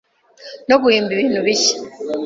no guhimba ibintu bishya